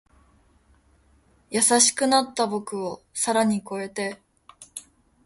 優しくなった僕を更に越えて